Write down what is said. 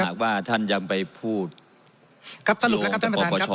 หากว่าท่านยังไปพูดครับสรุปแล้วครับท่านประธานครับ